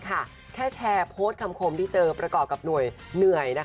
แค่แชร์โพสต์คำคมที่เจอประกอบกับหน่วยเหนื่อย